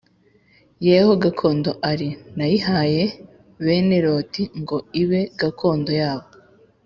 ye ho gakondo ari+ nayihaye bene loti+ ngo ibe gakondo yabo